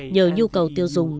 nhờ nhu cầu tiêu dùng